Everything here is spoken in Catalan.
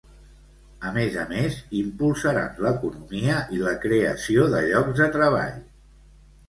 A més a més, impulsaran l'economia i la creació de llocs de treball.